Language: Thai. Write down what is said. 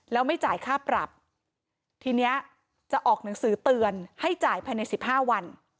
แล้วไม่จ่ายค่าปรับทีเนี้ยจะออกหนังสือเตือนให้จ่ายภายในสิบห้าวัน